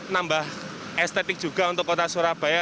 nambah estetik juga untuk kota surabaya